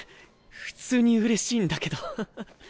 普通にうれしいんだけど。